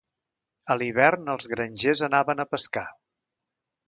A l'hivern els grangers anaven a pescar.